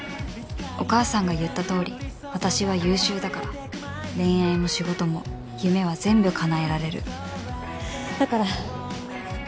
お母さんが言ったとおり私は優秀だから恋愛も仕事も夢は全部かなえられるだから。